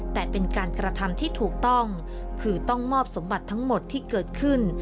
แต่เป็นการกระทำที่ถูกต้องคือต้องมอบสมบัติทั้งหมดที่เกิดขึ้น